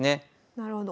なるほど。